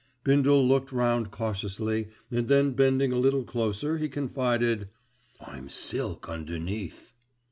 Bindle looked round cautiously and then bending a little closer he confided, "I'm silk underneath!"